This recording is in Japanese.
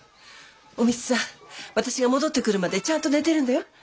お美津さん私が戻ってくるまでちゃんと寝てるんだよいいね？